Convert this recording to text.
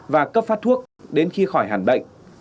và cấp phát thuốc đến khi khỏi hàn bệnh